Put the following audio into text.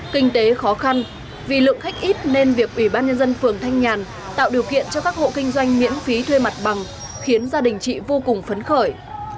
kinh tế khó khăn vì lượng khách ít nên việc ủy ban nhân dân phường thanh nhàn tạo điều kiện cho các hộ kinh doanh miễn phí thuê mặt bằng khiến gia đình chị vô cùng phấn khởi